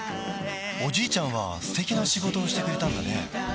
おじいちゃんは素敵な仕事をしてくれたんだね